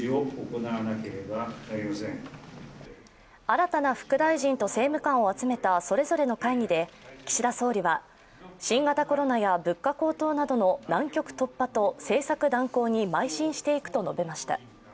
新たな副大臣と政務官を集めたそれぞれの会議で岸田総理は、新型コロナや物価高騰などの難局突破と政策断行にまい進していくと述べました。